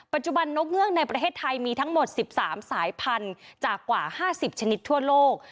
ปัจจุบันนกเงือกในประเทศไทยมีทั้งหมด๑๓สายพันธุ์จากกว่า๕๐ชนิดทั่วโลก